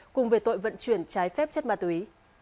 cùng về tội vận chuyển trái phép chất ma túy